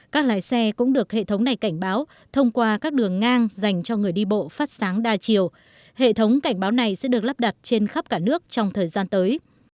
các lái xe cũng được hệ thống này cảnh báo thông qua các đường ngang dành cho người đi bộ phát sáng đa chiều hệ thống cảnh báo này sẽ được lắp đặt trên khắp cả nước trong thời gian tới